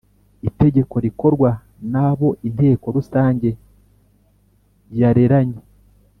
Itegeko rikorwa n abo Inteko Rusange yareranye